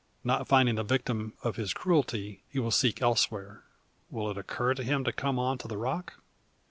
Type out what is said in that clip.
Not finding the victim of his cruelty, he will seek elsewhere. Will it occur to him to come on to the rock?